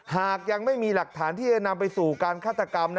หากยังไม่มีหลักฐานที่จะนำไปสู่การฆาตกรรม